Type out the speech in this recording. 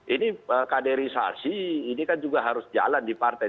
ini kaderisasi ini kan juga harus jalan di partai